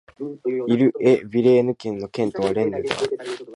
イル＝エ＝ヴィレーヌ県の県都はレンヌである